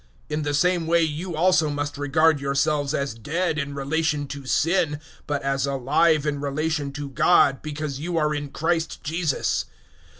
006:011 In the same way you also must regard yourselves as dead in relation to sin, but as alive in relation to God, because you are in Christ Jesus.